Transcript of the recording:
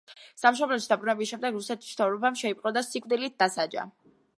სამშობლოში დაბრუნების შემდეგ რუსეთის მთავრობამ შეიპყრო და სიკვდილით დასაჯა.